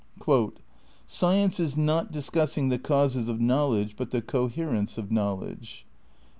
"Science is not discussing the causes of knowledge but the co herence of knowledge."